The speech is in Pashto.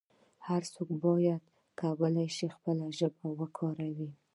هر څوک باید وکولای شي خپله ژبه وکاروي.